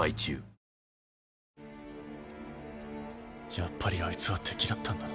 やっぱりあいつは敵だったんだな。